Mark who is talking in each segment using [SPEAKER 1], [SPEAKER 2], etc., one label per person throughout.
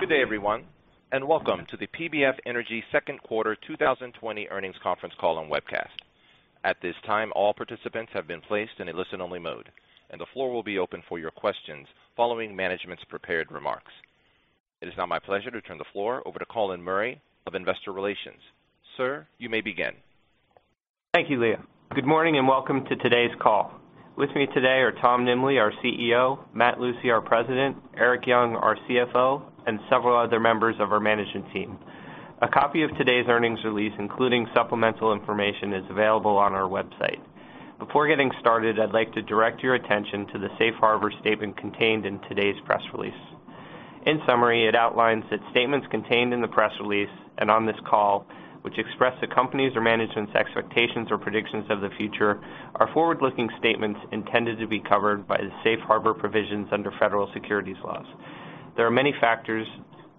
[SPEAKER 1] Good day everyone, and welcome to the PBF Energy Q2 2020 earnings conference call and webcast. At this time, all participants have been placed in a listen-only mode, and the floor will be open for your questions following management's prepared remarks. It is now my pleasure to turn the floor over to Colin Murray of Investor Relations. Sir, you may begin.
[SPEAKER 2] Thank you, Leo. Good morning and welcome to today's call. With me today are Tom Nimbley, our CEO, Matt Lucey, our President, Erik Young, our CFO, and several other members of our management team. A copy of today's earnings release, including supplemental information, is available on our website. Before getting started, I'd like to direct your attention to the Safe Harbor statement contained in today's press release. In summary, it outlines that statements contained in the press release and on this call, which express the company's or management's expectations or predictions of the future, are forward-looking statements intended to be covered by the Safe Harbor provisions under federal securities laws. There are many factors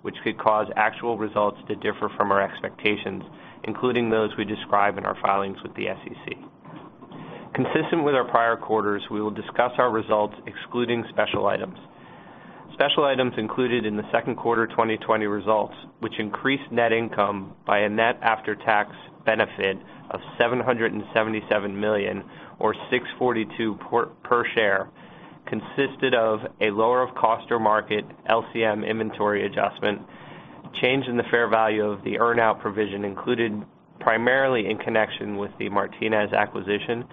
[SPEAKER 2] which could cause actual results to differ from our expectations, including those we describe in our filings with the SEC. Consistent with our prior quarters, we will discuss our results excluding special items. Special items included in the Q2 2020 results, which increased net income by a net after-tax benefit of $777 million, or $6.42 per share, consisted of a lower of cost or market LCM inventory adjustment, change in the fair value of the earn-out provision included primarily in connection with the Martinez acquisition,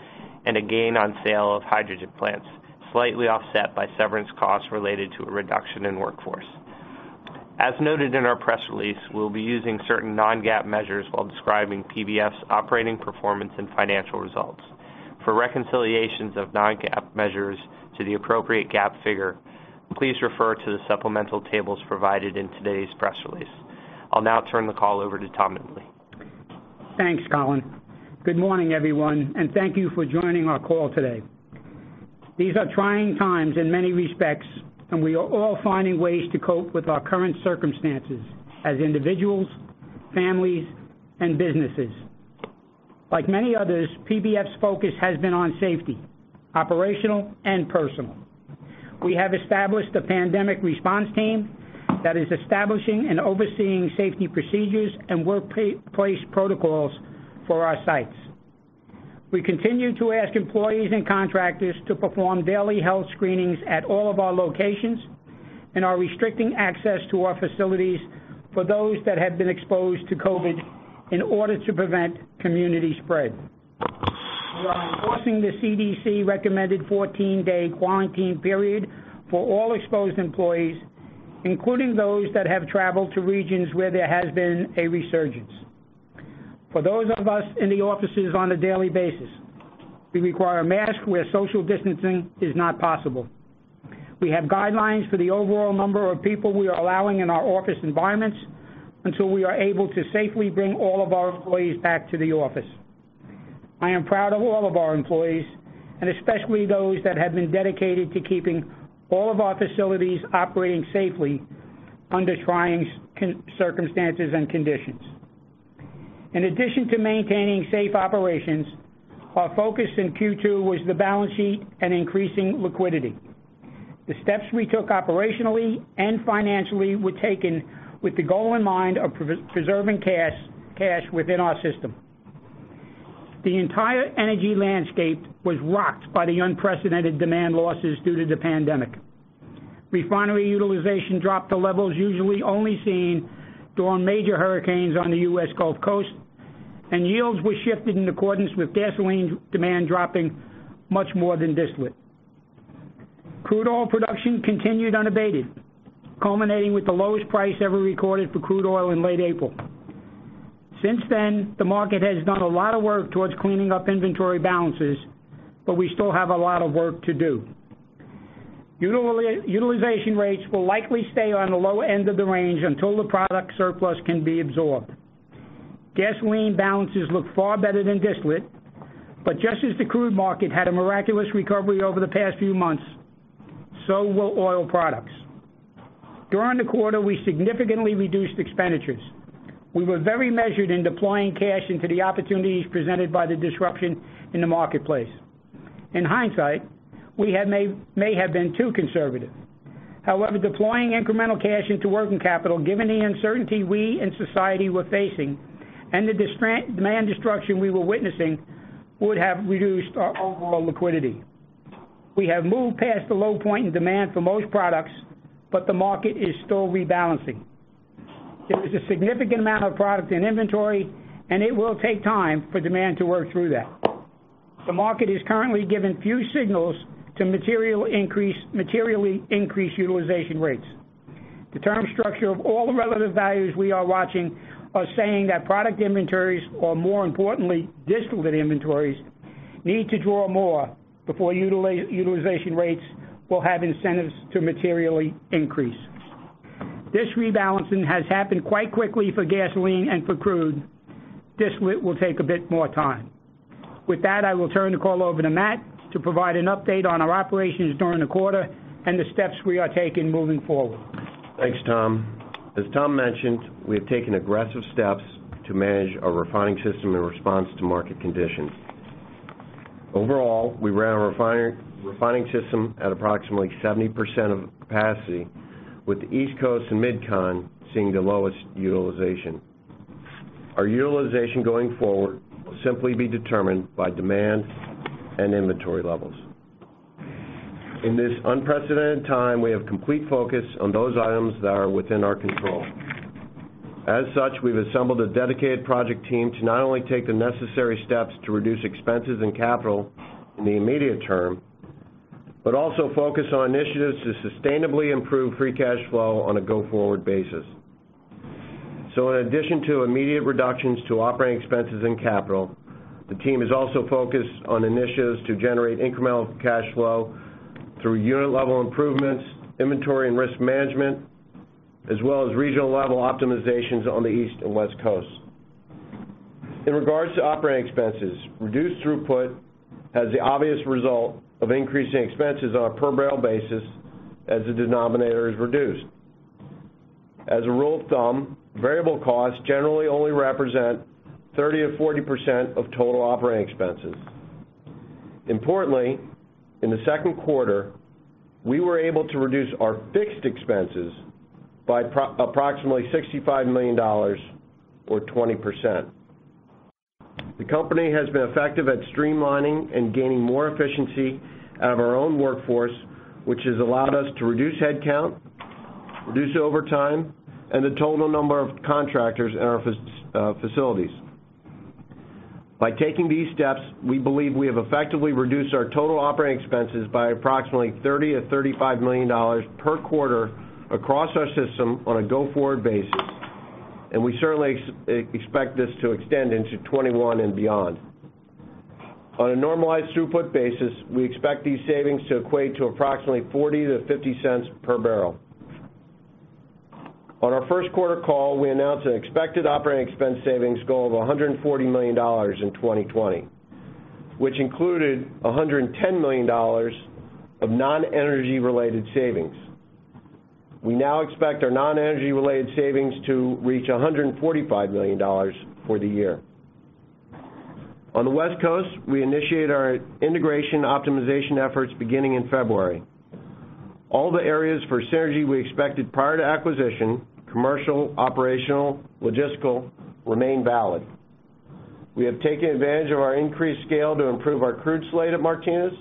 [SPEAKER 2] and a gain on sale of hydrogen plants, slightly offset by severance costs related to a reduction in workforce. As noted in our press release, we'll be using certain non-GAAP measures while describing PBF's operating performance and financial results. For reconciliations of non-GAAP measures to the appropriate GAAP figure, please refer to the supplemental tables provided in today's press release. I'll now turn the call over to Tom Nimbley.
[SPEAKER 3] Thanks, Colin. Good morning, everyone, thank you for joining our call today. These are trying times in many respects, we are all finding ways to cope with our current circumstances as individuals, families, and businesses. Like many others, PBF's focus has been on safety, operational and personal. We have established a pandemic response team that is establishing and overseeing safety procedures and workplace protocols for our sites. We continue to ask employees and contractors to perform daily health screenings at all of our locations and are restricting access to our facilities for those that have been exposed to COVID in order to prevent community spread. We are enforcing the CDC-recommended 14-day quarantine period for all exposed employees, including those that have traveled to regions where there has been a resurgence. For those of us in the offices on a daily basis, we require a mask where social distancing is not possible. We have guidelines for the overall number of people we are allowing in our office environments until we are able to safely bring all of our employees back to the office. I am proud of all of our employees, and especially those that have been dedicated to keeping all of our facilities operating safely under trying circumstances and conditions. In addition to maintaining safe operations, our focus in Q2 was the balance sheet and increasing liquidity. The steps we took operationally and financially were taken with the goal in mind of preserving cash within our system. The entire energy landscape was rocked by the unprecedented demand losses due to the pandemic. Refinery utilization dropped to levels usually only seen during major hurricanes on the U.S. Gulf Coast. Yields were shifted in accordance with gasoline demand dropping much more than distillate. Crude oil production continued unabated, culminating with the lowest price ever recorded for crude oil in late April. Since then, the market has done a lot of work towards cleaning up inventory balances. We still have a lot of work to do. Utilization rates will likely stay on the low end of the range until the product surplus can be absorbed. Gasoline balances look far better than distillate. Just as the crude market had a miraculous recovery over the past few months, so will oil products. During the quarter, we significantly reduced expenditures. We were very measured in deploying cash into the opportunities presented by the disruption in the marketplace. In hindsight, we may have been too conservative. However, deploying incremental cash into working capital, given the uncertainty we and society were facing and the demand destruction we were witnessing, would have reduced our overall liquidity. We have moved past the low point in demand for most products, but the market is still rebalancing. There is a significant amount of product in inventory, and it will take time for demand to work through that. The market has currently given few signals to materially increase utilization rates. The term structure of all the relevant values we are watching are saying that product inventories, or more importantly, distillate inventories, need to draw more before utilization rates will have incentives to materially increase. This rebalancing has happened quite quickly for gasoline and for crude. Distillate will take a bit more time. With that, I will turn the call over to Matt to provide an update on our operations during the quarter and the steps we are taking moving forward.
[SPEAKER 4] Thanks, Tom. As Tom mentioned, we have taken aggressive steps to manage our refining system in response to market conditions. Overall, we ran our refining system at approximately 70% of capacity, with the East Coast and MidCon seeing the lowest utilization. Our utilization going forward will simply be determined by demand and inventory levels. In this unprecedented time, we have complete focus on those items that are within our control. As such, we've assembled a dedicated project team to not only take the necessary steps to reduce expenses and capital in the immediate term, but also focus on initiatives to sustainably improve free cash flow on a go-forward basis. In addition to immediate reductions to operating expenses and capital, the team is also focused on initiatives to generate incremental cash flow through unit-level improvements, inventory and risk management, as well as regional-level optimizations on the East and West Coasts. In regards to operating expenses, reduced throughput has the obvious result of increasing expenses on a per-barrel basis as the denominator is reduced. As a rule of thumb, variable costs generally only represent 30%-40% of total operating expenses. Importantly, in the Q2, we were able to reduce our fixed expenses by approximately $65 million, or 20%. The company has been effective at streamlining and gaining more efficiency out of our own workforce, which has allowed us to reduce headcount, reduce overtime, and the total number of contractors in our facilities. By taking these steps, we believe we have effectively reduced our total operating expenses by approximately $30 million-$35 million per quarter across our system on a go-forward basis, and we certainly expect this to extend into 2021 and beyond. On a normalized throughput basis, we expect these savings to equate to approximately $0.40-$0.50 per barrel. On ourQ1 call, we announced an expected operating expense savings goal of $140 million in 2020, which included $110 million of non-energy related savings. We now expect our non-energy related savings to reach $145 million for the year. On the West Coast, we initiate our integration optimization efforts beginning in February. All the areas for synergy we expected prior to acquisition, commercial, operational, logistical, remain valid. We have taken advantage of our increased scale to improve our crude slate at Martinez.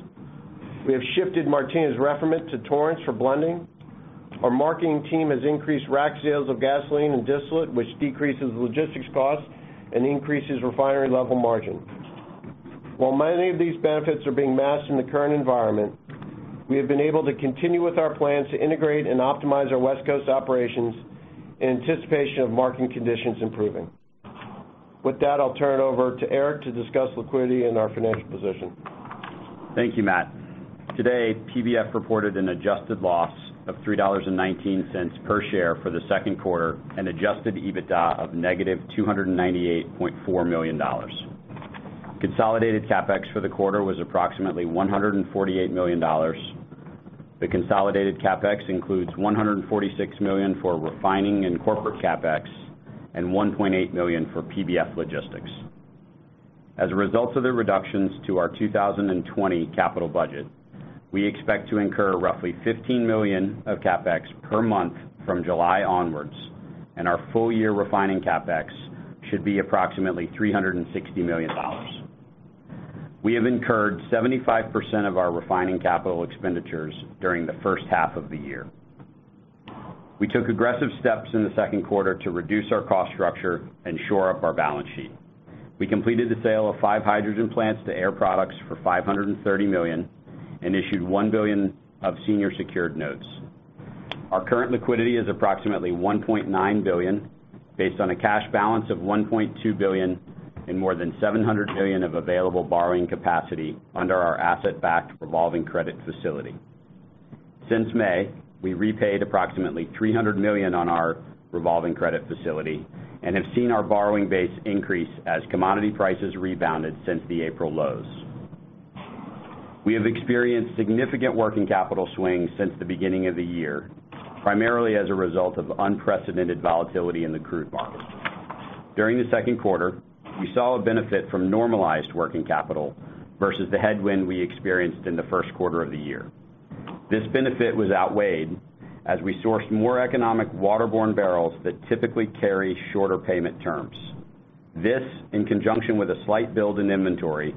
[SPEAKER 4] We have shifted Martinez refinement to Torrance for blending. Our marketing team has increased rack sales of gasoline and distillate, which decreases logistics costs and increases refinery-level margin. While many of these benefits are being masked in the current environment, we have been able to continue with our plans to integrate and optimize our West Coast operations in anticipation of market conditions improving. With that, I'll turn it over to Erik to discuss liquidity and our financial position.
[SPEAKER 5] Thank you, Matt. Today, PBF reported an adjusted loss of $3.19 per share for the Q2 and adjusted EBITDA of negative $298.4 million. Consolidated CapEx for the quarter was approximately $148 million. The consolidated CapEx includes $146 million for refining and corporate CapEx and $1.8 million for PBF Logistics. As a result of the reductions to our 2020 capital budget, we expect to incur roughly $15 million of CapEx per month from July onwards, and our full year refining CapEx should be approximately $360 million. We have incurred 75% of our refining capital expenditures during the first half of the year. We took aggressive steps in the second quarter to reduce our cost structure and shore up our balance sheet. We completed the sale of five hydrogen plants to Air Products for $530 million and issued $1 billion of senior secured notes. Our current liquidity is approximately $1.9 billion, based on a cash balance of $1.2 billion and more than $700 million of available borrowing capacity under our asset-backed revolving credit facility. Since May, we repaid approximately $300 million on our revolving credit facility and have seen our borrowing base increase as commodity prices rebounded since the April lows. We have experienced significant working capital swings since the beginning of the year, primarily as a result of unprecedented volatility in the crude market. During the Q2, we saw a benefit from normalized working capital versus the headwind we experienced in the Q1 of the year. This benefit was outweighed as we sourced more economic waterborne barrels that typically carry shorter payment terms. This, in conjunction with a slight build in inventory,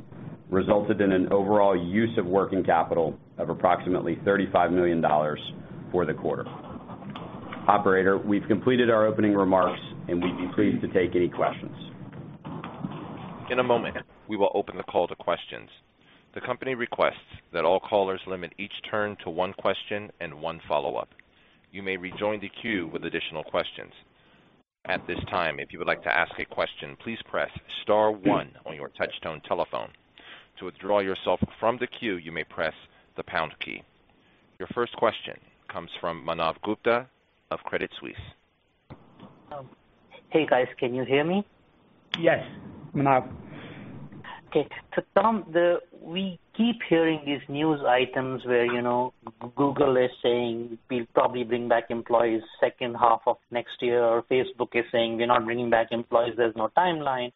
[SPEAKER 5] resulted in an overall use of working capital of approximately $35 million for the quarter. Operator, we've completed our opening remarks, and we'd be pleased to take any questions.
[SPEAKER 1] In a moment, we will open the call to questions. The company requests that all callers limit each turn to one question and one follow-up. You may rejoin the queue with additional questions. At this time, if you would like to ask a question, please press star one on your touchtone telephone. To withdraw yourself from the queue, you may press the pound key. Your first question comes from Manav Gupta of Credit Suisse.
[SPEAKER 6] Hey, guys. Can you hear me?
[SPEAKER 4] Yes, Manav.
[SPEAKER 6] Tom, we keep hearing these news items where Google is saying we'll probably bring back employees second half of next year, or Facebook is saying they're not bringing back employees, there's no timeline.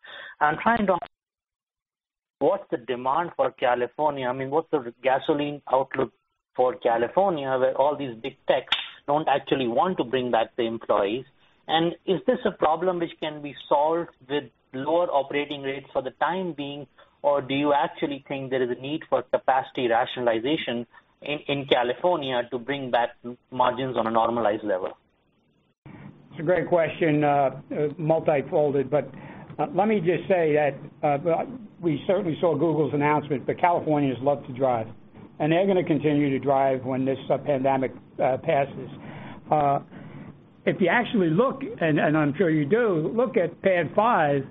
[SPEAKER 6] What's the demand for California? What's the gasoline outlook for California, where all these big techs don't actually want to bring back the employees? Is this a problem which can be solved with lower operating rates for the time being, or do you actually think there is a need for capacity rationalization in California to bring back margins on a normalized level?
[SPEAKER 3] It's a great question. Multifolded. Let me just say that we certainly saw Google's announcement, but Californians love to drive, and they're going to continue to drive when this pandemic passes. If you actually look, and I'm sure you do, look at PADD 5,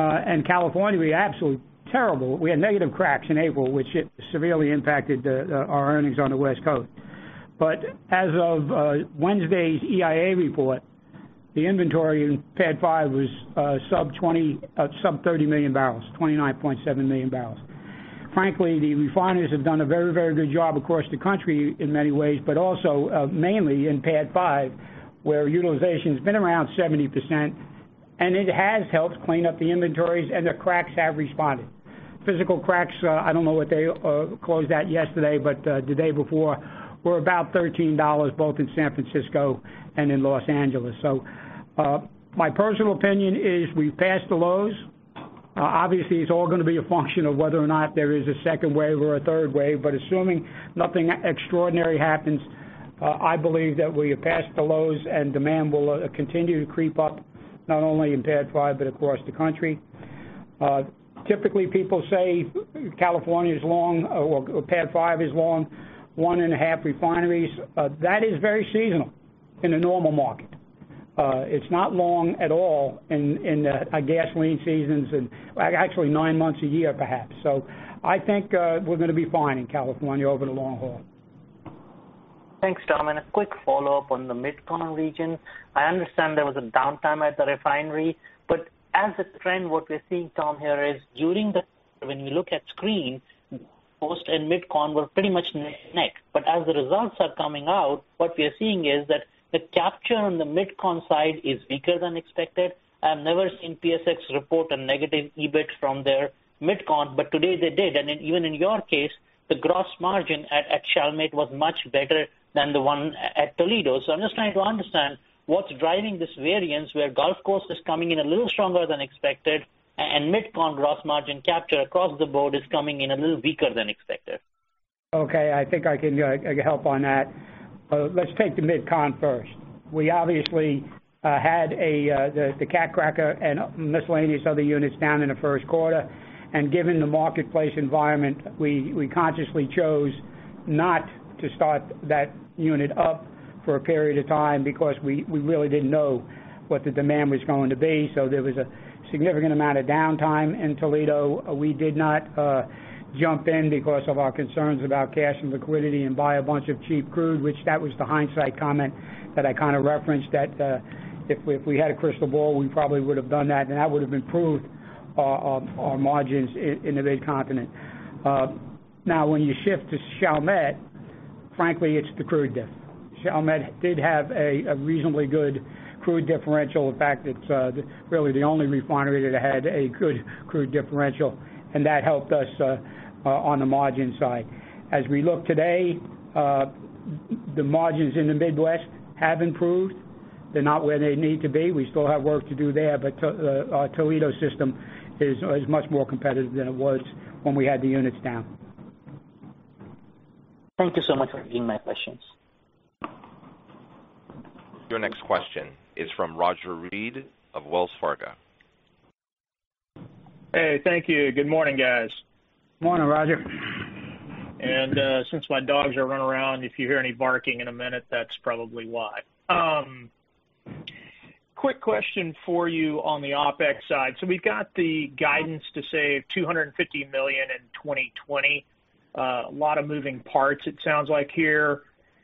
[SPEAKER 3] and California, we are absolutely terrible. We had negative cracks in April, which severely impacted our earnings on the West Coast. As of Wednesday's EIA report, the inventory in PADD 5 was sub-30 million barrels, 29.7 million barrels. Frankly, the refineries have done a very good job across the country in many ways but also, mainly in PADD 5, where utilization's been around 70%, and it has helped clean up the inventories, and the cracks have responded. Physical cracks, I don't know what they closed at yesterday, but the day before were about $13, both in San Francisco and in Los Angeles. My personal opinion is we've passed the lows. Obviously, it's all going to be a function of whether or not there is a second wave or a third wave. But assuming nothing extraordinary happens, I believe that we have passed the lows and demand will continue to creep up, not only in PADD 5, but across the country. Typically, people say California is long, or PADD 5 is long, one and a half refineries. That is very seasonal in a normal market. It's not long at all in gasoline seasons and actually nine months a year, perhaps. I think we're going to be fine in California over the long haul.
[SPEAKER 6] Thanks, Tom. A quick follow-up on the MidCon region. I understand there was a downtime at the refinery. As a trend, what we're seeing, Tom, here is during the quarter, when we look at spreads, most in MidCon were pretty much neck and neck. As the results are coming out, what we are seeing is that the capture on the MidCon side is weaker than expected. I have never seen PSX report a negative EBIT from their MidCon, but today they did. Even in your case, the gross margin at Chalmette was much better than the one at Toledo. I'm just trying to understand what's driving this variance, where Gulf Coast is coming in a little stronger than expected and MidCon gross margin capture across the board is coming in a little weaker than expected.
[SPEAKER 3] Okay. I think I can help on that. Let's take the MidCon first. We obviously had the cat cracker and miscellaneous other units down in the first quarter. Given the marketplace environment, we consciously chose not to start that unit up for a period of time because we really didn't know what the demand was going to be. There was a significant amount of downtime in Toledo. We did not jump in because of our concerns about cash and liquidity and buy a bunch of cheap crude, which that was the hindsight comment that I kind of referenced, that if we had a crystal ball, we probably would've done that, and that would've improved our margins in the MidContinent. When you shift to Chalmette, frankly, it's the crude diff. Chalmette did have a reasonably good crude differential. In fact, it's really the only refinery that had a good crude differential, and that helped us on the margin side. As we look today, the margins in the Midwest have improved. They're not where they need to be. We still have work to do there, but our Toledo system is much more competitive than it was when we had the units down.
[SPEAKER 6] Thank you so much for taking my questions.
[SPEAKER 1] Your next question is from Roger Read of Wells Fargo.
[SPEAKER 7] Hey, thank you. Good morning, guys.
[SPEAKER 3] Morning, Roger.
[SPEAKER 7] Since my dogs are running around, if you hear any barking in a minute, that's probably why. Quick question for you on the OpEx side. We've got the guidance to save $250 million in 2020. A lot of moving parts it sounds like here.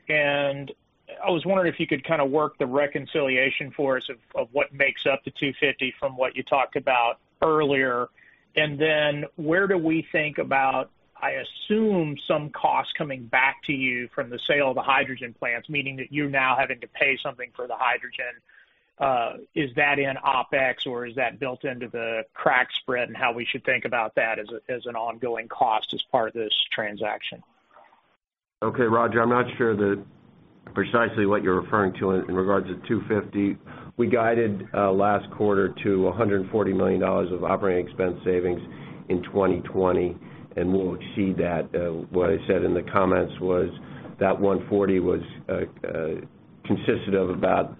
[SPEAKER 7] I was wondering if you could kind of work the reconciliation for us of what makes up the 250 from what you talked about earlier. Then where do we think about, I assume, some cost coming back to you from the sale of the hydrogen plants, meaning that you're now having to pay something for the hydrogen. Is that in OpEx or is that built into the crack spread and how we should think about that as an ongoing cost as part of this transaction?
[SPEAKER 4] Okay, Roger, I'm not sure precisely what you're referring to in regards to $250. We guided last quarter to $140 million of operating expense savings in 2020, and we'll exceed that. What I said in the comments was that $140 million consisted of about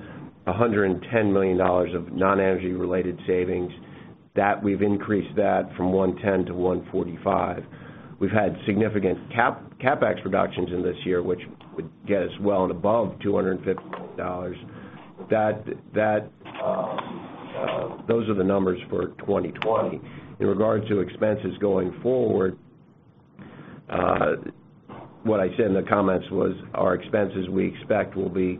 [SPEAKER 4] $110 million of non-energy related savings. We've increased that from $110 million to $145 million. We've had significant CapEx reductions in this year, which would get us well and above $250 million. Those are the numbers for 2020. In regards to expenses going forward, what I said in the comments was our expenses, we expect will be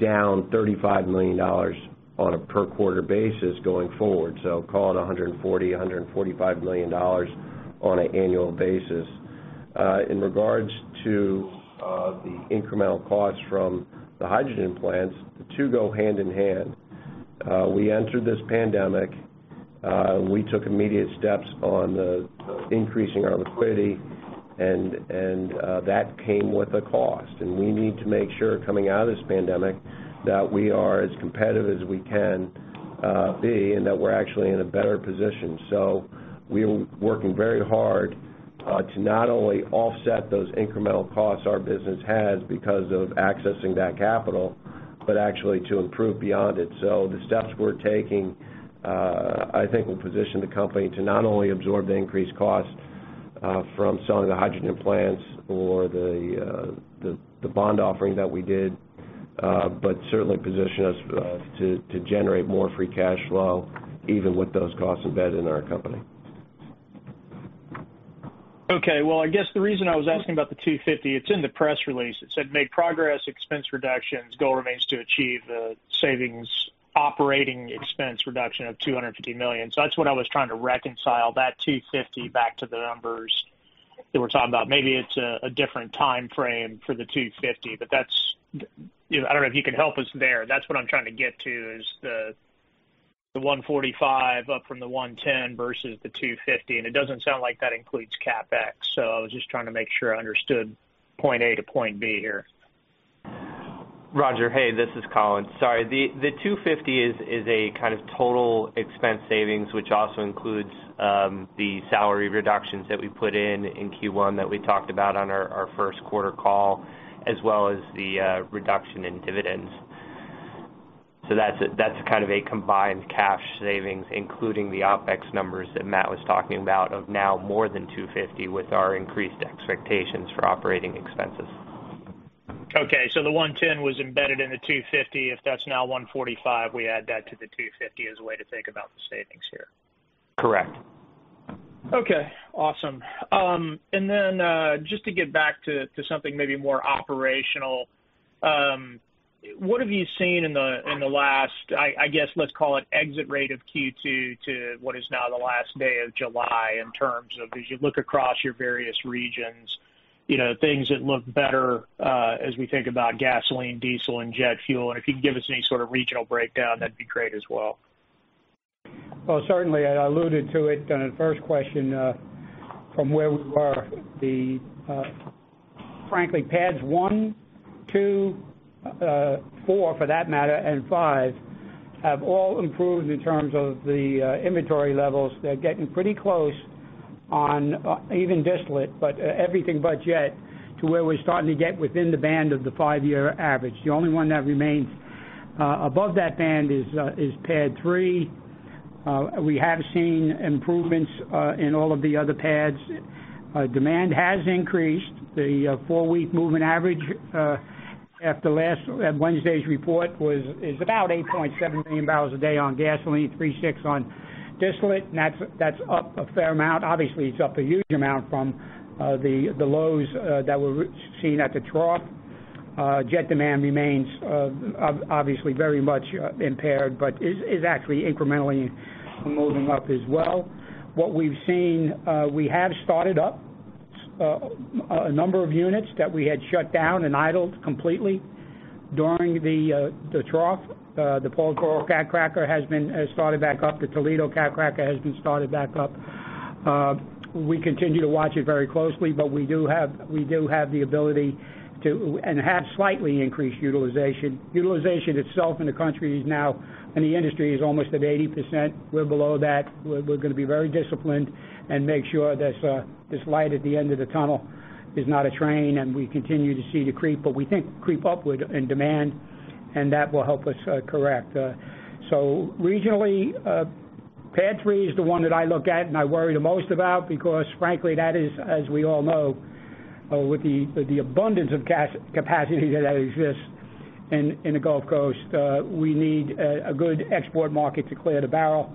[SPEAKER 4] down $35 million on a per quarter basis going forward. Call it $140 million, $145 million on an annual basis. In regards to the incremental cost from the hydrogen plants, the two go hand in hand. We entered this pandemic, we took immediate steps on increasing our liquidity, and that came with a cost. We need to make sure coming out of this pandemic that we are as competitive as we can be, and that we're actually in a better position. We are working very hard to not only offset those incremental costs our business has because of accessing that capital, but actually to improve beyond it. The steps we're taking, I think will position the company to not only absorb the increased cost from selling the hydrogen plants or the bond offering that we did, but certainly position us to generate more free cash flow even with those costs embedded in our company.
[SPEAKER 7] Okay. Well, I guess the reason I was asking about the 250, it's in the press release. It said, "Made progress, expense reductions, goal remains to achieve the savings, operating expense reduction of $250 million." That's what I was trying to reconcile that 250 back to the numbers that we're talking about. Maybe it's a different time frame for the 250, but that's I don't know if you can help us there. That's what I'm trying to get to, is the 145 up from the 110 versus the 250, it doesn't sound like that includes CapEx. I was just trying to make sure I understood point A - point B here.
[SPEAKER 2] Roger, hey, this is Colin. Sorry. The $250 is a kind of total expense savings, which also includes the salary reductions that we put in in Q1 that we talked about on our Q1 call, as well as the reduction in dividends. That's kind of a combined cash savings, including the OpEx numbers that Matt was talking about of now more than $250 with our increased expectations for operating expenses.
[SPEAKER 7] Okay. The $110 was embedded in the $250. If that's now $145, we add that to the $250 as a way to think about the savings here.
[SPEAKER 2] Correct.
[SPEAKER 7] Okay. Awesome. Just to get back to something maybe more operational. What have you seen in the last, I guess let's call it exit rate of Q2 to what is now the last day of July in terms of as you look across your various regions, things that look better, as we think about gasoline, diesel, and jet fuel. If you can give us any sort of regional breakdown, that'd be great as well.
[SPEAKER 3] Well, certainly. I alluded to it on the first question, from where we were. Frankly, PADDs one, two, four for that matter, and five have all improved in terms of the inventory levels. They're getting pretty close on even distillate, everything but jet to where we're starting to get within the band of the five-year average. The only one that remains above that band is PADD 3. We have seen improvements in all of the other PADDs. Demand has increased. The four-week moving average at Wednesday's report is about 8.7 million barrels a day on gasoline, 3.6 on distillate, and that's up a fair amount. Obviously, it's up a huge amount from the lows that were seen at the trough. Jet demand remains obviously very much impaired, but is actually incrementally moving up as well. What we've seen, we have started up a number of units that we had shut down and idled completely during the trough. The Paulsboro cat cracker has started back up. The Toledo cat cracker has been started back up. We continue to watch it very closely, but we do have the ability to, and have slightly increased utilization. Utilization itself in the country is now in the industry, is almost at 80%. We're below that. We're going to be very disciplined and make sure this light at the end of the tunnel is not a train, and we continue to see the creep, but we think creep upward in demand, and that will help us correct. Regionally, PADD 3 is the one that I look at and I worry the most about because frankly, that is, as we all know, with the abundance of capacity that exists in the Gulf Coast, we need a good export market to clear the barrel.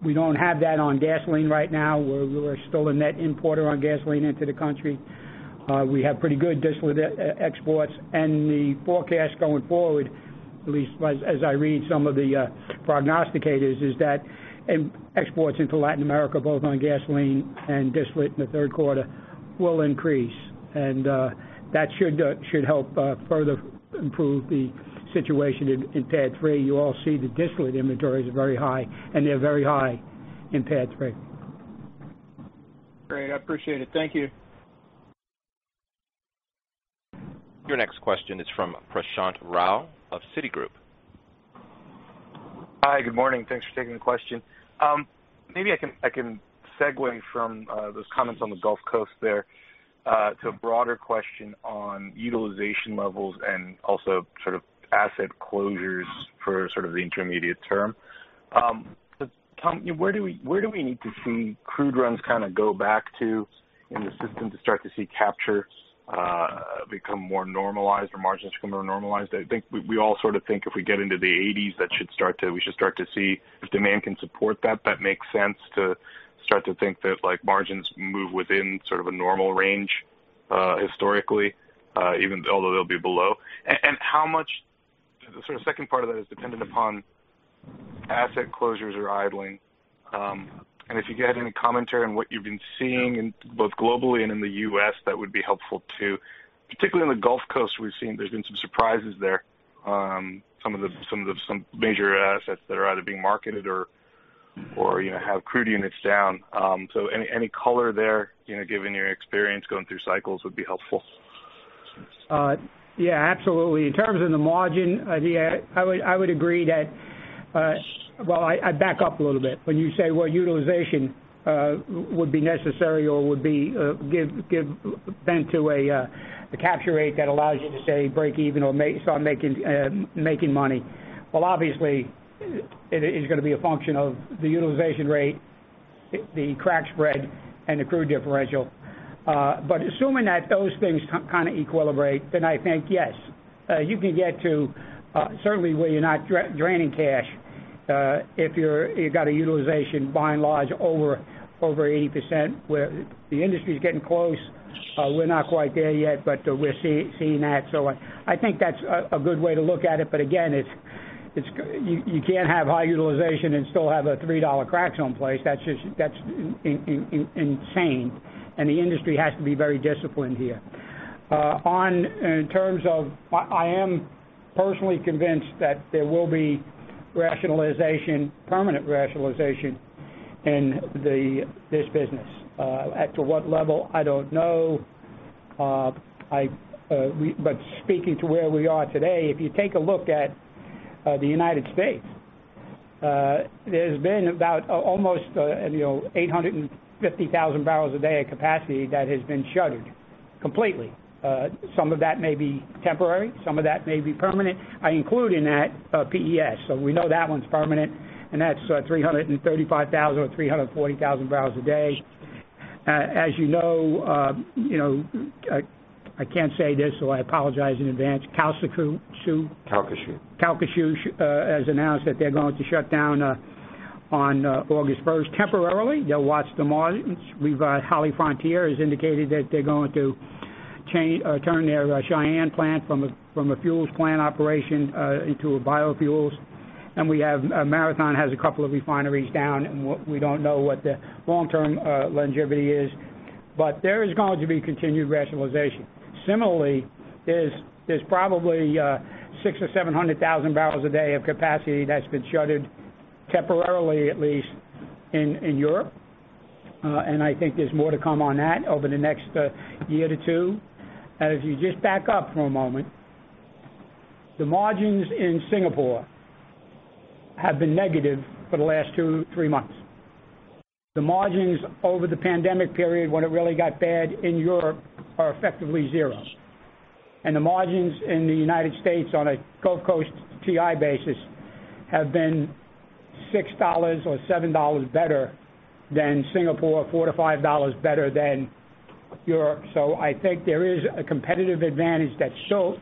[SPEAKER 3] We don't have that on gasoline right now. We're still a net importer on gasoline into the country. We have pretty good distillate exports, the forecast going forward, at least as I read some of the prognosticators, is that exports into Latin America, both on gasoline and distillate in the third quarter, will increase. That should help further improve the situation in PADD 3. You all see the distillate inventories are very high, they're very high in PADD 3.
[SPEAKER 7] Great. I appreciate it. Thank you.
[SPEAKER 1] Your next question is from Prashant Rao of Citigroup.
[SPEAKER 8] Hi. Good morning. Thanks for taking the question. Maybe I can segue from those comments on the Gulf Coast there to a broader question on utilization levels and also sort of asset closures for sort of the intermediate term. Tom, where do we need to see crude runs kind of go back to in the system to start to see capture become more normalized or margins become more normalized? I think we all sort of think if we get into the 80%, we should start to see if demand can support that. That makes sense to start to think that like margins move within sort of a normal range, historically, even although they'll be below. How much The sort of second part of that is dependent upon asset closures or idling. If you had any commentary on what you've been seeing, both globally and in the U.S., that would be helpful too. Particularly in the Gulf Coast, we've seen there's been some surprises there. Some major assets that are either being marketed or have crude units down. Any color there, given your experience going through cycles, would be helpful.
[SPEAKER 3] Yeah, absolutely. In terms of the margin, I would agree that. Well, I back up a little bit. When you say what utilization would be necessary or would give bent to a capture rate that allows you to say break even or start making money. Well, obviously, it is going to be a function of the utilization rate, the crack spread, and the crude differential. Assuming that those things kind of equilibrate, I think, yes, you can get to certainly where you're not draining cash, if you've got a utilization by and large over 80% where the industry's getting close. We're not quite there yet, but we're seeing that. I think that's a good way to look at it. Again, you can't have high utilization and still have a $3 crack someplace. That's insane. The industry has to be very disciplined here. I am personally convinced that there will be permanent rationalization in this business. As to what level, I don't know. Speaking to where we are today, if you take a look at the United States, there's been about almost 850,000 barrels a day of capacity that has been shuttered completely. Some of that may be temporary, some of that may be permanent. I include in that PES. We know that one's permanent, and that's 335,000 or 340,000 barrels a day. As you know I can't say this, so I apologize in advance. Calcasieu?
[SPEAKER 4] Calcasieu.
[SPEAKER 3] Calcasieu has announced that they're going to shut down on August 1st temporarily. You'll watch the margins. HollyFrontier has indicated that they're going to turn their Cheyenne plant from a fuels plant operation into a biofuels. Marathon has a couple of refineries down, and we don't know what the long-term longevity is, but there is going to be continued rationalization. Similarly, there's probably 600,000 or 700,000 barrels a day of capacity that's been shuttered temporarily, at least in Europe. I think there's more to come on that over the next year to two. If you just back up for a moment, the margins in Singapore have been negative for the last two, three months. The margins over the pandemic period when it really got bad in Europe are effectively zero. The margins in the U.S. on a Gulf Coast TI basis have been $6 or $7 better than Singapore, $4-$5 better than Europe. I think there is a competitive advantage that shows.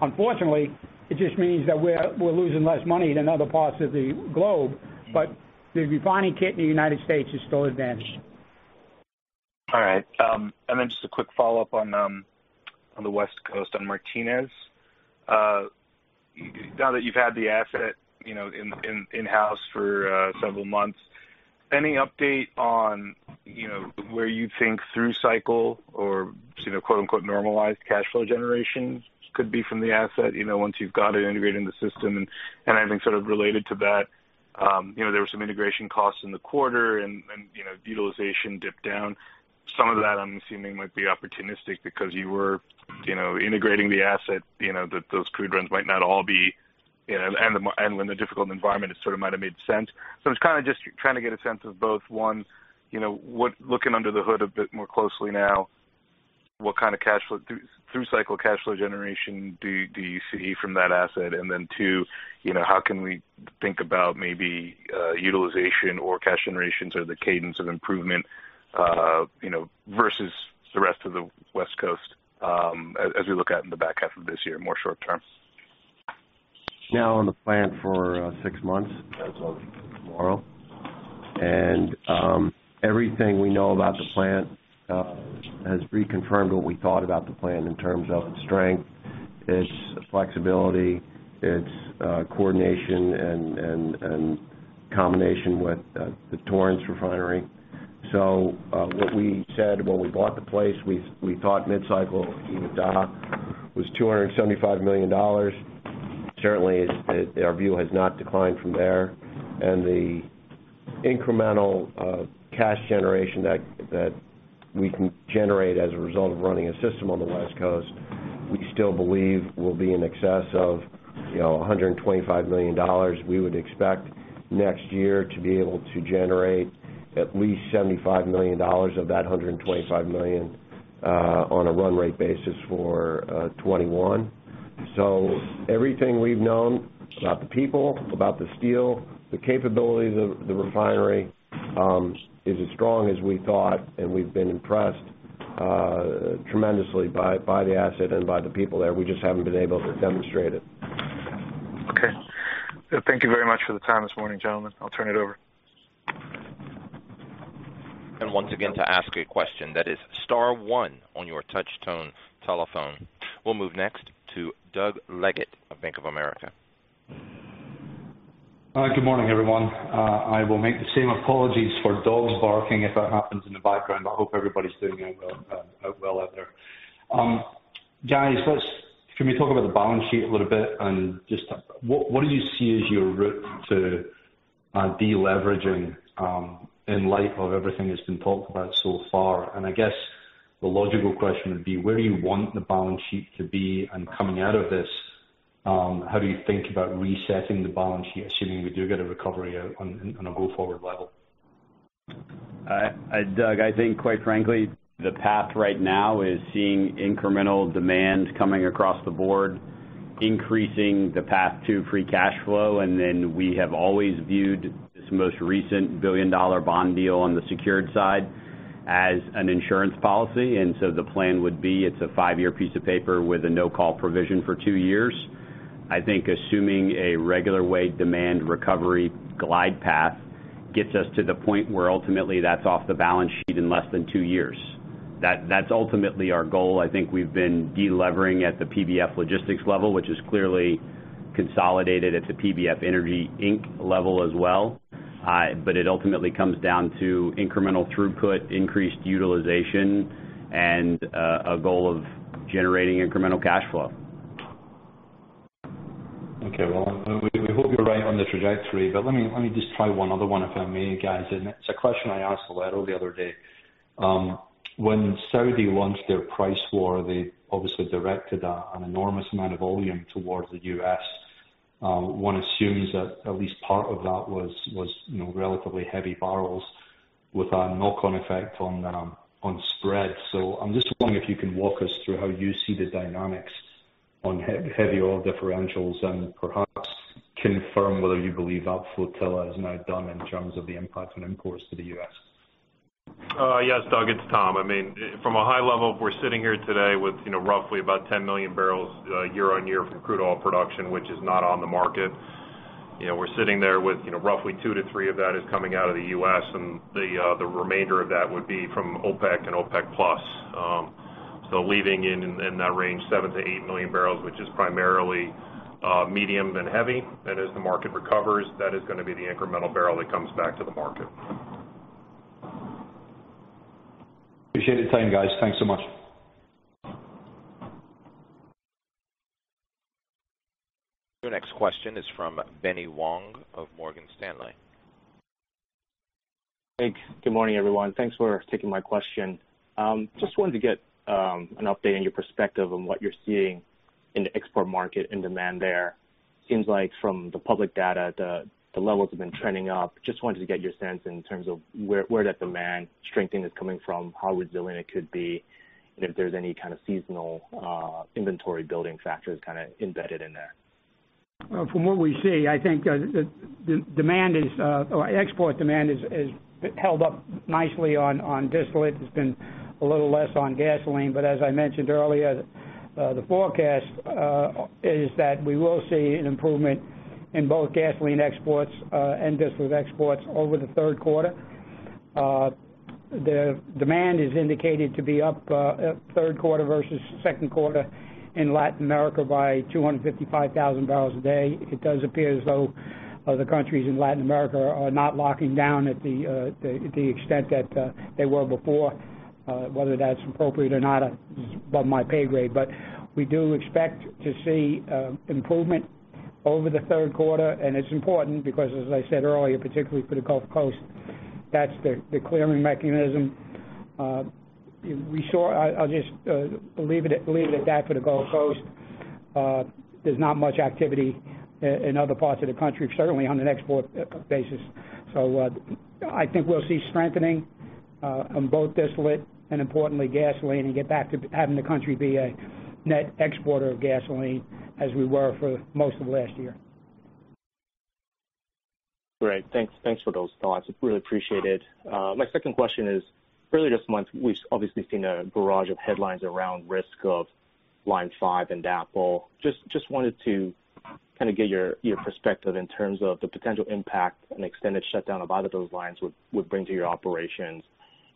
[SPEAKER 3] Unfortunately, it just means that we're losing less money than other parts of the globe, but the refining kit in the U.S. is still advantaged.
[SPEAKER 8] All right. Just a quick follow-up on the West Coast on Martinez. Now that you've had the asset in-house for several months, any update on where you think through cycle or quote unquote "normalized cash flow generation" could be from the asset, once you've got it integrated in the system? I think sort of related to that, there were some integration costs in the quarter, and utilization dipped down. Some of that I'm assuming might be opportunistic because you were integrating the asset, and when the difficult environment is sort of might have made sense. I was just trying to get a sense of both, one, looking under the hood a bit more closely now, what kind of through cycle cash flow generation do you see from that asset? Two, how can we think about maybe utilization or cash generations or the cadence of improvement, versus the rest of the West Coast, as we look out in the back half of this year, more short term?
[SPEAKER 4] Now on the plant for six months as of tomorrow. Everything we know about the plant has reconfirmed what we thought about the plant in terms of its strength, its flexibility, its coordination and combination with the Torrance Refinery. What we said when we bought the place, we thought mid-cycle EBITDA was $275 million. Certainly, our view has not declined from there. The incremental cash generation that we can generate as a result of running a system on the West Coast, we still believe will be in excess of $125 million. We would expect next year to be able to generate at least $75 million of that $125 million, on a run rate basis for 2021. Everything we've known about the people, about the steel, the capabilities of the refinery, is as strong as we thought, and we've been impressed tremendously by the asset and by the people there. We just haven't been able to demonstrate it.
[SPEAKER 8] Okay. Thank you very much for the time this morning, gentlemen. I'll turn it over.
[SPEAKER 1] Once again, to ask a question, that is star one on your touch-tone telephone. We'll move next to Doug Leggate of Bank of America.
[SPEAKER 9] Hi. Good morning, everyone. I will make the same apologies for dogs barking if that happens in the background. I hope everybody's doing out well out there. Guys, can we talk about the balance sheet a little bit, and just what do you see as your route to de-leveraging, in light of everything that's been talked about so far? I guess the logical question would be, where do you want the balance sheet to be? Coming out of this, how do you think about resetting the balance sheet, assuming we do get a recovery out on a go-forward level?
[SPEAKER 5] Doug, I think quite frankly, the path right now is seeing incremental demand coming across the board, increasing the path to free cash flow. We have always viewed this most recent billion-dollar bond deal on the secured side as an insurance policy. The plan would be, it's a five-year piece of paper with a no-call provision for two years. I think assuming a regular weight demand recovery glide path gets us to the point where ultimately that's off the balance sheet in less than two years. That's ultimately our goal. I think we've been de-leveraging at the PBF Logistics level, which is clearly consolidated at the PBF Energy Inc. level as well. It ultimately comes down to incremental throughput, increased utilization, and a goal of generating incremental cash flow.
[SPEAKER 9] Okay. Well, we hope you're right on the trajectory. Let me just try one other one, if I may, guys, and it's a question I asked Valero the other day. When Saudi launched their price war, they obviously directed an enormous amount of volume towards the U.S. One assumes that at least part of that was relatively heavy barrels with a knock-on effect on spread. I'm just wondering if you can walk us through how you see the dynamics on heavy oil differentials and perhaps confirm whether you believe that flotilla is now done in terms of the impact on imports to the U.S.
[SPEAKER 3] Yes, Doug, it's Tom. From a high level, we're sitting here today with roughly about 10 million barrels year-on-year from crude oil production, which is not on the market. We're sitting there with roughly two to three of that is coming out of the U.S., and the remainder of that would be from OPEC and OPEC Plus. Leaving in that range, 7 million-8 million barrels, which is primarily medium and heavy. As the market recovers, that is going to be the incremental barrel that comes back to the market.
[SPEAKER 9] Appreciate the time, guys. Thanks so much.
[SPEAKER 1] Your next question is from Benny Wong of Morgan Stanley.
[SPEAKER 10] Thanks. Good morning, everyone. Thanks for taking my question. Just wanted to get an update on your perspective on what you're seeing in the export market and demand there. Seems like from the public data, the levels have been trending up. Just wanted to get your sense in terms of where that demand strengthening is coming from, how resilient it could be, and if there's any kind of seasonal inventory building factors kind of embedded in there.
[SPEAKER 3] From what we see, I think export demand has held up nicely on distillate. It's been a little less on gasoline. As I mentioned earlier, the forecast is that we will see an improvement in both gasoline exports and distillate exports over the Q3. The demand is indicated to be up Q3 versus second quarter in Latin America by 255,000 barrels a day. It does appear as though the countries in Latin America are not locking down at the extent that they were before. Whether that's appropriate or not is above my pay grade. We do expect to see improvement over the Q3, and it's important because, as I said earlier, particularly for the Gulf Coast, that's the clearing mechanism. I'll just leave it at that for the Gulf Coast. There's not much activity in other parts of the country, certainly on an export basis. I think we'll see strengthening on both distillate and importantly gasoline and get back to having the country be a net exporter of gasoline as we were for most of last year.
[SPEAKER 10] Great. Thanks for those thoughts. It's really appreciated. My second question is, earlier this month, we've obviously seen a barrage of headlines around risk of Line five and DAPL. Just wanted to kind of get your perspective in terms of the potential impact an extended shutdown of either of those lines would bring to your operations,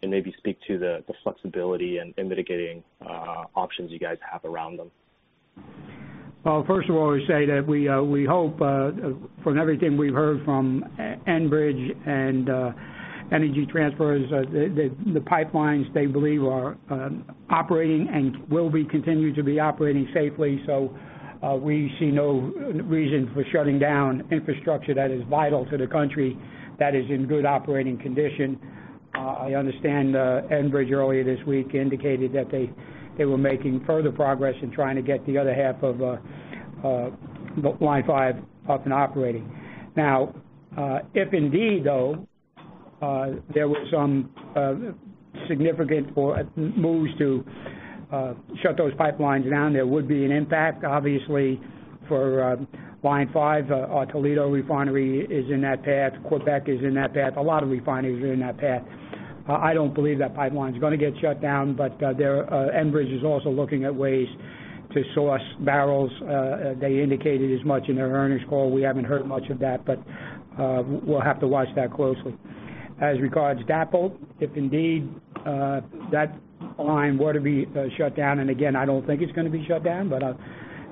[SPEAKER 10] and maybe speak to the flexibility and mitigating options you guys have around them.
[SPEAKER 3] First of all, I would say that we hope, from everything we've heard from Enbridge and Energy Transfer, the pipelines they believe are operating and will be continued to be operating safely. We see no reason for shutting down infrastructure that is vital to the country that is in good operating condition. I understand Enbridge earlier this week indicated that they were making further progress in trying to get the other half of Line five up and operating. If indeed though, there were some significant moves to shut those pipelines down, there would be an impact. Obviously, for Line five, our Toledo refinery is in that path. Quebec is in that path. A lot of refineries are in that path. I don't believe that pipeline's going to get shut down, but Enbridge is also looking at ways to source barrels, they indicated as much in their earnings call. We haven't heard much of that, but we'll have to watch that closely. As regards DAPL, if indeed that line were to be shut down, and again, I don't think it's going to be shut down, but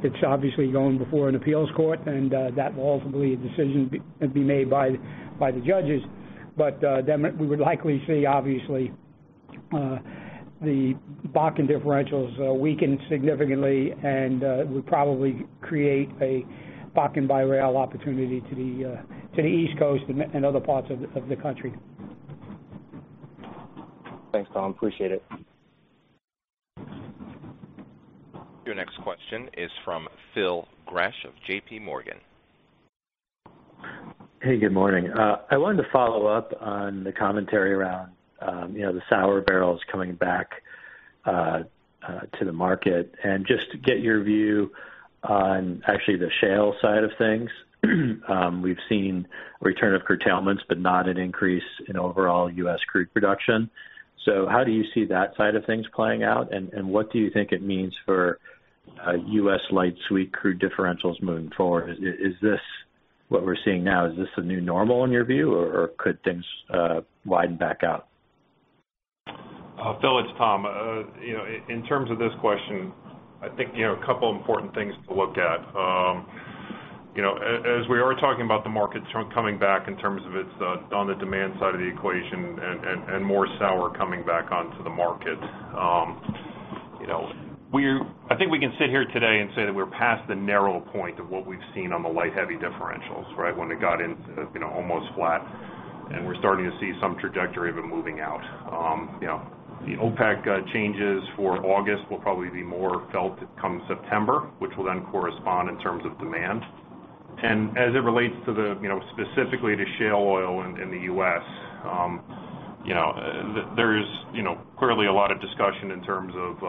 [SPEAKER 3] it's obviously going before an appeals court and that will ultimately, a decision be made by the judges. We would likely see, obviously, the Bakken differentials weaken significantly and would probably create a Bakken-by-rail opportunity to the East Coast and other parts of the country.
[SPEAKER 10] Thanks, Tom. Appreciate it.
[SPEAKER 1] Your next question is from Phil Gresh of JPMorgan.
[SPEAKER 11] Hey, good morning. I wanted to follow up on the commentary around the sour barrels coming back to the market and just get your view on actually the shale side of things. We've seen return of curtailments, but not an increase in overall U.S. crude production. How do you see that side of things playing out, and what do you think it means for U.S. light sweet crude differentials moving forward? Is this, what we're seeing now, is this the new normal in your view, or could things widen back out?
[SPEAKER 3] Phil, it's Tom. In terms of this question, I think a couple important things to look at. We are talking about the market coming back in terms of on the demand side of the equation and more sour coming back onto the market. I think we can sit here today and say that we're past the narrow point of what we've seen on the light heavy differentials, right? When it got almost flat, we're starting to see some trajectory of it moving out. The OPEC changes for August will probably be more felt come September, which will then correspond in terms of demand. As it relates specifically to shale oil in the U.S. There is clearly a lot of discussion in terms of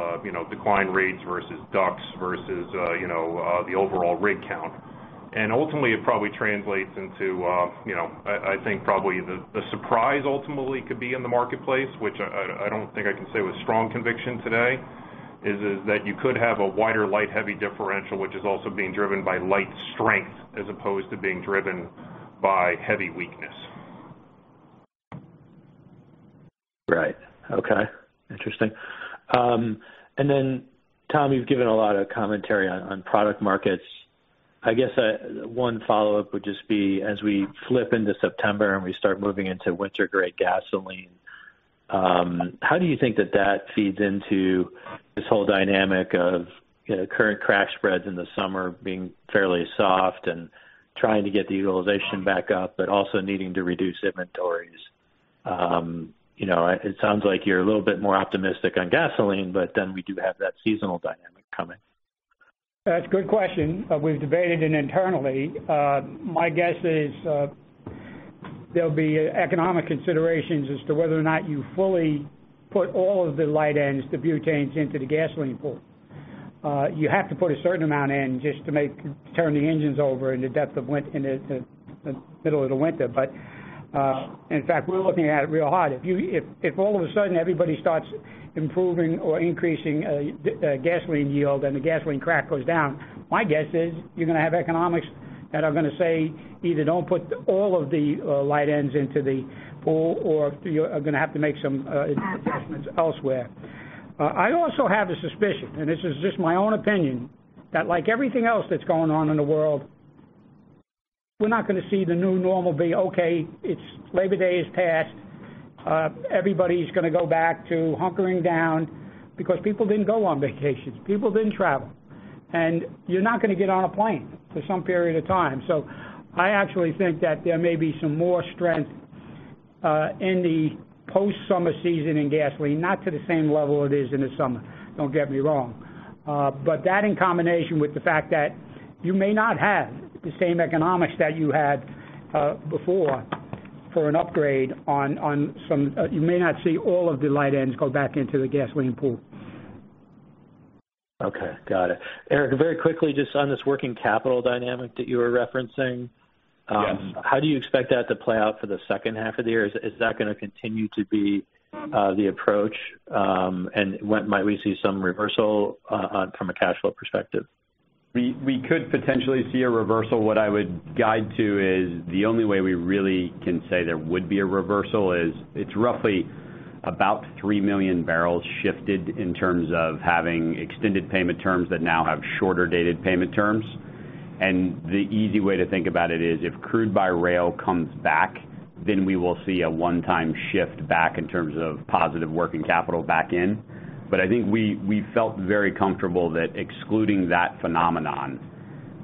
[SPEAKER 3] decline rates versus DUCs versus the overall rig count. Ultimately, it probably translates into I think probably the surprise ultimately could be in the marketplace, which I don't think I can say with strong conviction today, is that you could have a wider light heavy differential, which is also being driven by light strength as opposed to being driven by heavy weakness.
[SPEAKER 11] Right. Okay. Interesting. Tom, you've given a lot of commentary on product markets. I guess one follow-up would just be, as we flip into September and we start moving into winter-grade gasoline, how do you think that that feeds into this whole dynamic of current crack spreads in the summer being fairly soft and trying to get the utilization back up, but also needing to reduce inventories? It sounds like you're a little bit more optimistic on gasoline. We do have that seasonal dynamic coming.
[SPEAKER 3] That's a good question. We've debated it internally. My guess is there'll be economic considerations as to whether or not you fully put all of the light ends, the butanes into the gasoline pool. You have to put a certain amount in just to turn the engines over in the middle of the winter. In fact, we're looking at it real hard. If all of a sudden everybody starts improving or increasing gasoline yield and the gasoline crack goes down, my guess is you're going to have economics that are going to say, either don't put all of the light ends into the pool, or you're going to have to make some adjustments elsewhere. I also have a suspicion, and this is just my own opinion, that like everything else that's going on in the world, we're not going to see the new normal be okay, Labor Day has passed, everybody's going to go back to hunkering down because people didn't go on vacations, people didn't travel. You're not going to get on a plane for some period of time. I actually think that there may be some more strength, in the post-summer season in gasoline, not to the same level it is in the summer. Don't get me wrong. That in combination with the fact that you may not have the same economics that you had before. You may not see all of the light ends go back into the gasoline pool.
[SPEAKER 11] Okay. Got it. Erik, very quickly just on this working capital dynamic that you were referencing.
[SPEAKER 5] Yes.
[SPEAKER 11] How do you expect that to play out for the second half of the year? Is that going to continue to be the approach? Might we see some reversal from a cash flow perspective?
[SPEAKER 5] We could potentially see a reversal. What I would guide to is the only way we really can say there would be a reversal is it's roughly about three million barrels shifted in terms of having extended payment terms that now have shorter dated payment terms. The easy way to think about it is if crude by rail comes back, then we will see a one-time shift back in terms of positive working capital back in. I think we felt very comfortable that excluding that phenomenon,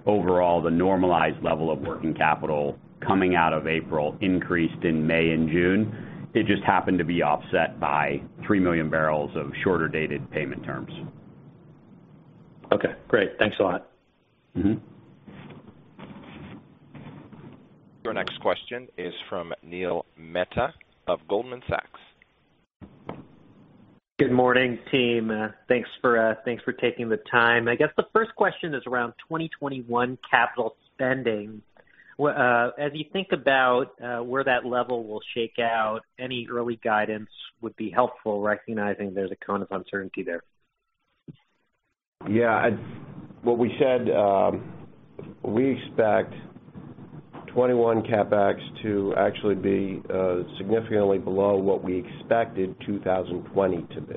[SPEAKER 5] overall, the normalized level of working capital coming out of April increased in May and June. It just happened to be offset by three million barrels of shorter dated payment terms.
[SPEAKER 11] Okay, great. Thanks a lot.
[SPEAKER 1] Your next question is from Neil Mehta of Goldman Sachs.
[SPEAKER 12] Good morning, team. Thanks for taking the time. I guess the first question is around 2021 capital spending. As you think about where that level will shake out, any early guidance would be helpful, recognizing there's a cone of uncertainty there.
[SPEAKER 4] Yeah. What we said, we expect 2021 CapEx to actually be significantly below what we expected 2020 to be.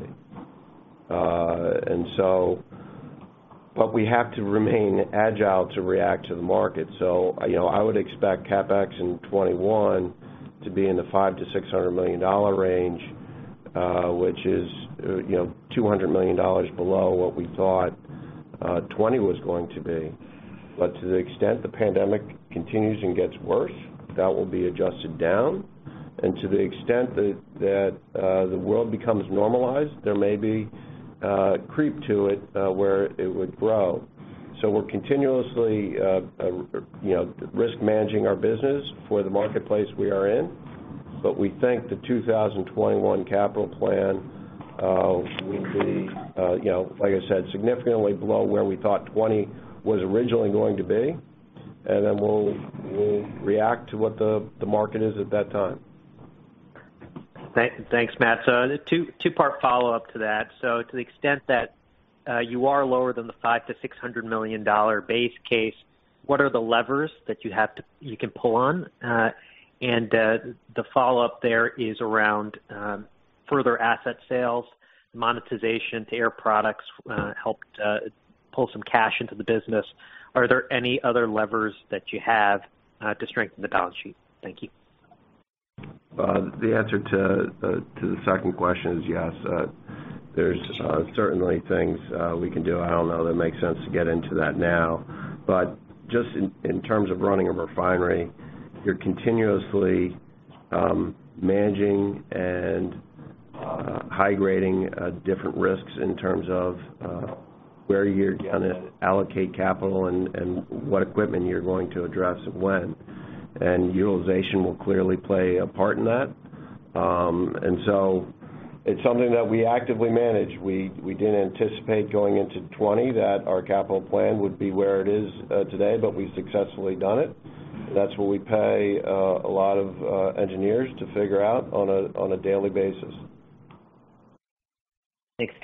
[SPEAKER 4] We have to remain agile to react to the market. I would expect CapEx in 2021 to be in the $500 million-$600 million range, which is $200 million below what we thought 2020 was going to be. To the extent the pandemic continues and gets worse, that will be adjusted down. To the extent that the world becomes normalized, there may be a creep to it where it would grow. We're continuously risk managing our business for the marketplace we are in, but we think the 2021 capital plan will be, like I said, significantly below where we thought 2020 was originally going to be. Then we'll react to what the market is at that time.
[SPEAKER 12] Thanks, Matt. Two-part follow-up to that. To the extent that you are lower than the $500 million-$600 million base case, what are the levers that you can pull on? The follow-up there is around further asset sales, monetization to Air Products helped pull some cash into the business. Are there any other levers that you have to strengthen the balance sheet? Thank you.
[SPEAKER 4] The answer to the second question is yes. There's certainly things we can do. I don't know that it makes sense to get into that now, but just in terms of running a refinery, you're continuously managing and high-grading different risks in terms of where you're going to allocate capital and what equipment you're going to address when, and utilization will clearly play a part in that. It's something that we actively manage. We didn't anticipate going into 2020 that our capital plan would be where it is today, but we've successfully done it. That's what we pay a lot of engineers to figure out on a daily basis.
[SPEAKER 12] Thanks,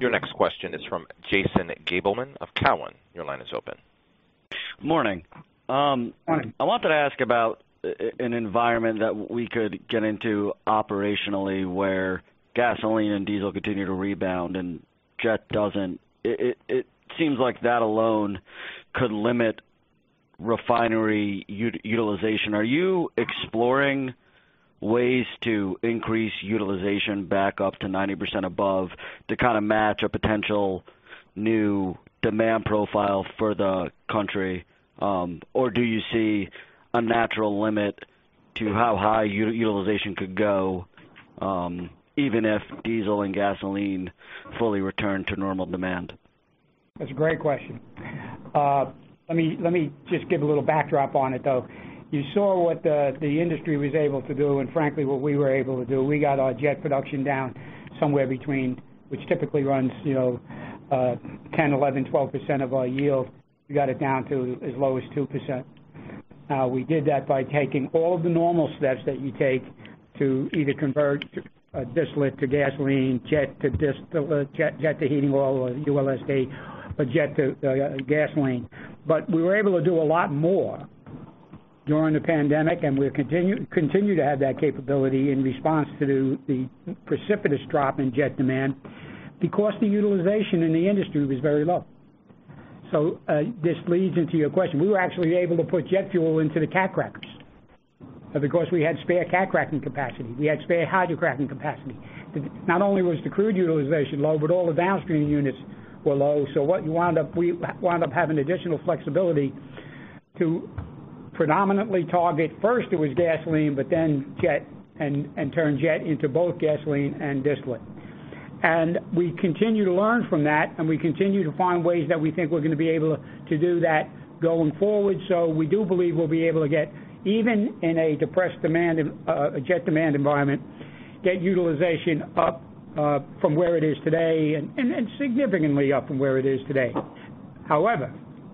[SPEAKER 12] Steve.
[SPEAKER 1] Your next question is from Jason Gabelman of Cowen. Your line is open.
[SPEAKER 13] Morning.
[SPEAKER 3] Morning.
[SPEAKER 13] I wanted to ask about an environment that we could get into operationally where gasoline and diesel continue to rebound and jet doesn't. It seems like that alone could limit refinery utilization. Are you exploring ways to increase utilization back up to 90% above to kind of match a potential new demand profile for the country? Or do you see a natural limit to how high utilization could go, even if diesel and gasoline fully return to normal demand?
[SPEAKER 3] That's a great question. Let me just give a little backdrop on it, though. You saw what the industry was able to do and frankly, what we were able to do. We got our jet production down somewhere between, which typically runs 10, 11, 12% of our yield. We got it down to as low as two percent. We did that by taking all of the normal steps that you take to either convert distillate to gasoline, jet to heating oil or ULSD, or jet to gasoline. We were able to do a lot more during the pandemic, and we continue to have that capability in response to the precipitous drop in jet demand because the utilization in the industry was very low. This leads into your question. We were actually able to put jet fuel into the cat crackers because we had spare cat cracking capacity. We had spare hydrocracking capacity. Not only was the crude utilization low, but all the downstream units were low. We wound up having additional flexibility to predominantly target, first it was gasoline, but then jet, and turn jet into both gasoline and distillate. We continue to learn from that, and we continue to find ways that we think we're going to be able to do that going forward. We do believe we'll be able to get, even in a depressed jet demand environment, get utilization up from where it is today and significantly up from where it is today.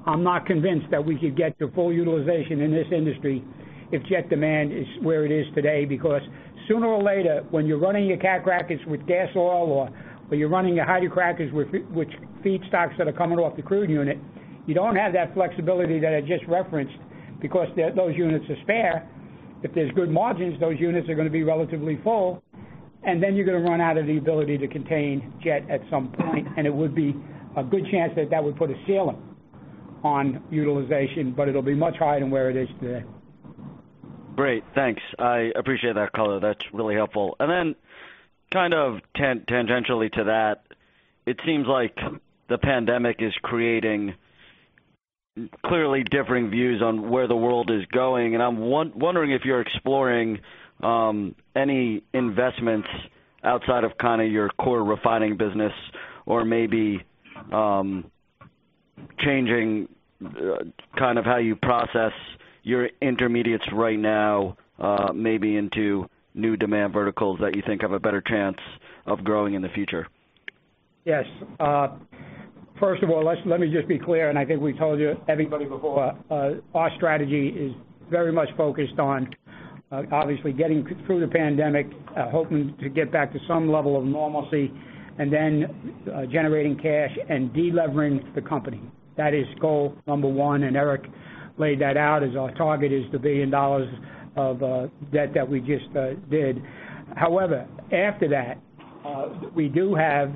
[SPEAKER 3] I'm not convinced that we could get to full utilization in this industry if jet demand is where it is today, because sooner or later, when you're running your cat crackers with gas oil or when you're running your hydrocrackers with feedstocks that are coming off the crude unit, you don't have that flexibility that I just referenced because those units are spare. If there's good margins, those units are going to be relatively full, and then you're going to run out of the ability to contain jet at some point, and it would be a good chance that that would put a ceiling on utilization. It'll be much higher than where it is today.
[SPEAKER 13] Great. Thanks. I appreciate that color. That's really helpful. Then kind of tangentially to that, it seems like the pandemic is creating clearly differing views on where the world is going, and I'm wondering if you're exploring any investments outside of your core refining business or maybe changing how you process your intermediates right now maybe into new demand verticals that you think have a better chance of growing in the future?
[SPEAKER 3] Yes. First of all, let me just be clear, and I think we told everybody before, our strategy is very much focused on obviously getting through the pandemic, hoping to get back to some level of normalcy, and then generating cash and de-levering the company. That is goal number one, and Erik laid that out as our target is the $1 billion of debt that we just did. However, after that, we do have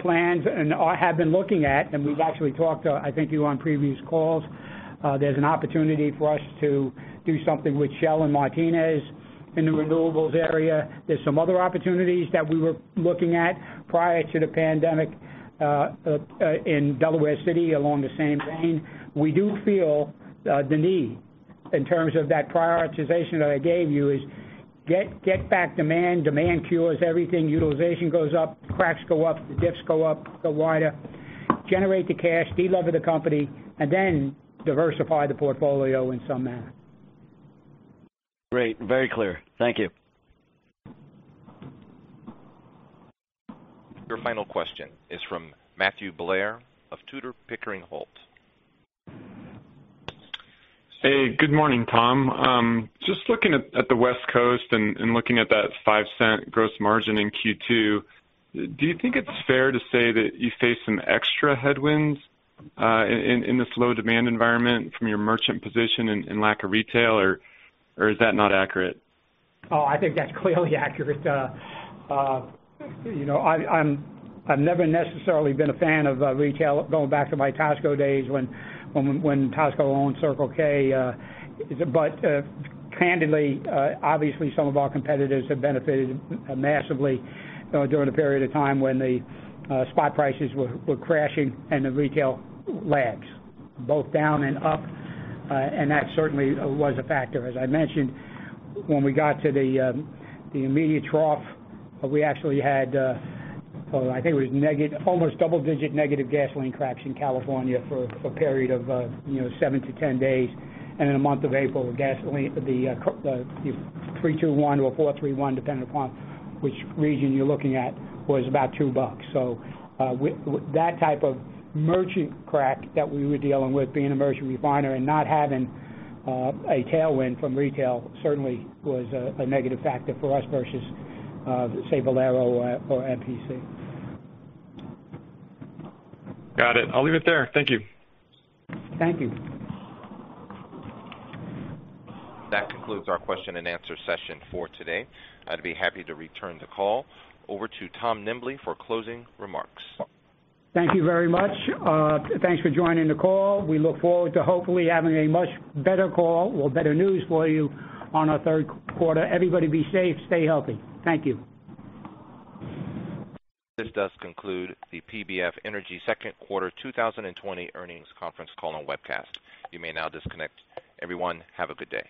[SPEAKER 3] plans and have been looking at, and we've actually talked, I think, to you on previous calls. There's an opportunity for us to do something with Shell and Martinez in the renewables area. There's some other opportunities that we were looking at prior to the pandemic in Delaware City along the same vein. We do feel the need in terms of that prioritization that I gave you is get back demand. Demand cures everything. Utilization goes up, cracks go up, the diffs go up, go wider, generate the cash, de-lever the company, and then diversify the portfolio in some manner.
[SPEAKER 13] Great. Very clear. Thank you.
[SPEAKER 1] Your final question is from Matthew Blair of Tudor, Pickering, Holt.
[SPEAKER 14] Hey, good morning, Tom. Just looking at the West Coast and looking at that $0.05 gross margin in Q2, do you think it's fair to say that you face some extra headwinds in this low demand environment from your merchant position and lack of retail, or is that not accurate?
[SPEAKER 3] Oh, I think that's clearly accurate. I've never necessarily been a fan of retail going back to my Tosco days when Tosco owned Circle K. Candidly, obviously some of our competitors have benefited massively during the period of time when the spot prices were crashing and the retail lags both down and up. That certainly was a factor. As I mentioned, when we got to the immediate trough, we actually had, I think it was almost double-digit negative gasoline cracks in California for a period of 7- 10 days. In the month of April, the gasoline, the 3.21 or 4.31, depending upon which region you're looking at, was about two bucks. That type of merchant crack that we were dealing with, being a merchant refiner and not having a tailwind from retail certainly was a negative factor for us versus, say, Valero or MPC.
[SPEAKER 14] Got it. I'll leave it there. Thank you.
[SPEAKER 3] Thank you.
[SPEAKER 1] That concludes our question and answer session for today. I'd be happy to return the call over to Tom Nimbley for closing remarks.
[SPEAKER 3] Thank you very much. Thanks for joining the call. We look forward to hopefully having a much better call or better news for you on our Q3. Everybody be safe, stay healthy. Thank you.
[SPEAKER 1] This does conclude the PBF Energy second quarter 2020 earnings conference call and webcast. You may now disconnect. Everyone, have a good day.